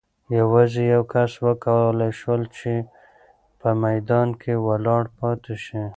یوازې یو کس وکولای شول چې په میدان کې ولاړ پاتې شي.